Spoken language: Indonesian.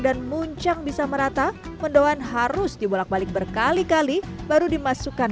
dan muncang bisa merata mendoan harus dibolak balik berkali kali baru dimasukkan